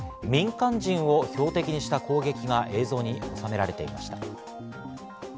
民間人を標的にした攻撃が映像に収められていました。